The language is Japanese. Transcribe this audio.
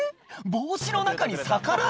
帽子の中に魚？